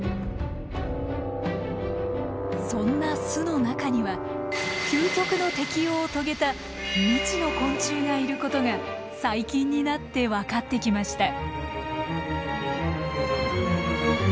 そんな巣の中には究極の適応を遂げた未知の昆虫がいることが最近になって分かってきました。